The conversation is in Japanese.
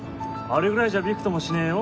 あれぐらいじゃびくともしねえよ